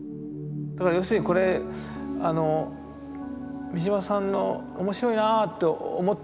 だから要するにこれ三島さんの面白いなと思った３０年の蓄積。